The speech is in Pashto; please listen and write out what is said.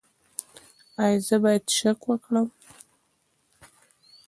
ایا زه باید شک وکړم؟